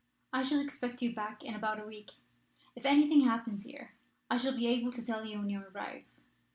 I shall expect you back in about a week. If anything happens here I shall be able to tell you when you arrive.